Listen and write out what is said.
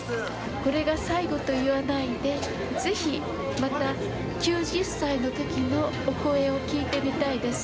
これが最後と言わないで、ぜひまた９０歳のときのお声を聞いてみたいです。